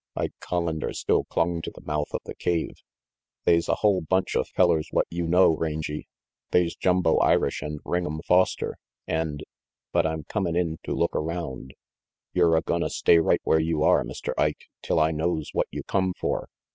Ike Collander still clung to the mouth of the cave. "They's a hull bunch of fellers what you know, Rangy. They's Jumbo Irish, and Ring'em Foster, and but I'm comin' in to look around 3 "Yer a gonna stay right where you are, Mr. Ike, till I knows what you come for.